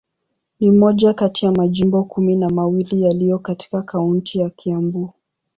Ni moja kati ya majimbo kumi na mawili yaliyo katika kaunti ya Kiambu.